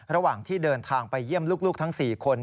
ระหว่างที่เดินทางไปเยี่ยมลูกทั้ง๔คน